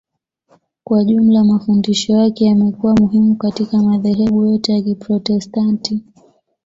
Kwa jumla mafundisho yake yamekuwa muhimu katika madhehebu yote ya Kiprotestanti